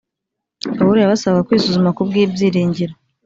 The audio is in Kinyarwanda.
Pawulo yabasabaga kwisuzuma kubw'ibyiringiro,